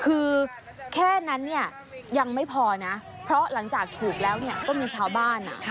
คือแค่นั้นเนี่ยยังไม่พอนะเพราะหลังจากถูกแล้วเนี่ยก็มีชาวบ้าน